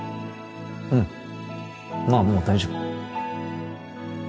うんまあもう大丈夫